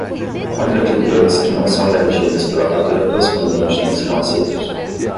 Compra de bilhetes que não são garantidos pela fatura correspondente não serão aceitos.